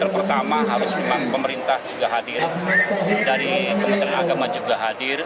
pertama harus memang pemerintah juga hadir dari kementerian agama juga hadir